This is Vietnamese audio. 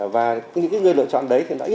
và những người lựa chọn đấy thì đã đành rồi